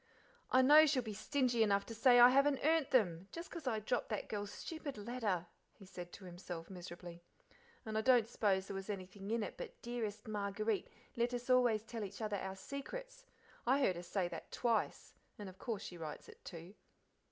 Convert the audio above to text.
"I know she'll be stingy enough to say I haven't earned them, just 'cause I dropped that girl's stupid letter," he said to himself, miserably, "and I don't suppose there was anything in it but 'Dearest Marguerite, let us always tell each other our secrets'; I heard her say that twice, and of course she writes it, too."